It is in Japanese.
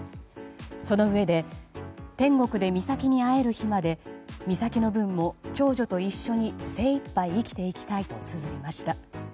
そのうえで天国で美咲に会える日まで美咲の分も長女と一緒に精いっぱい生きていきたいとつづりました。